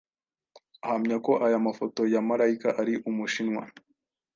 ahamya ko aya mafoto ya Malayika ari umushinwa